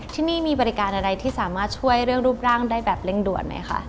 ที่นี่มีบริการอะไรที่สามารถช่วยเรื่องรูปร่างได้แบบเร่งด่วนไหมคะ